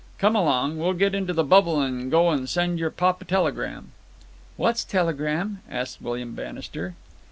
Come along. We'll get into the bubble and go and send your pop a telegram." "What's telegram?" asked William Bannister.